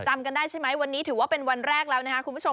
จำกันได้ใช่ไหมวันนี้ถือว่าเป็นวันแรกแล้วนะครับคุณผู้ชม